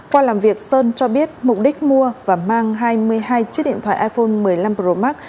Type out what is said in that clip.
qua làm việc sơn cho biết mục đích mua và mang hai mươi hai chiếc điện thoại iphone một mươi năm pro max